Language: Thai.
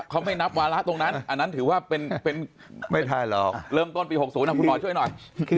เขาไม่นับวาระตรงนั้นเริ่มต้นปี๖๐นะคุณนอยช่วยหน่อย